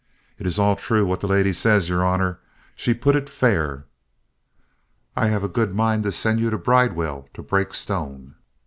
"It is all true what the lady says, your Honor; she put it fair." "I have a good mind to send you to Bridewell to break stone."